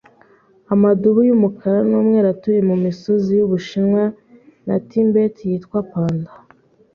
Amadubu yumukara numweru atuye mumisozi yo mubushinwa na Tibet yitwa 'panda'.